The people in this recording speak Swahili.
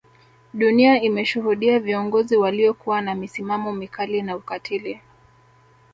Dunia imeshuhudia viongozi waliokuwa na misimamo mikali na ukatili